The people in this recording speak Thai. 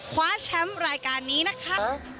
คว้าแชมป์รายการนี้นะคะ